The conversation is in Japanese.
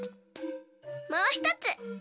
もうひとつ。